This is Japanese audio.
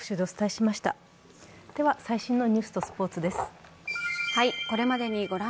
では最新のニュースとスポーツです。